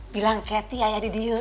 bilang kathy ayah didi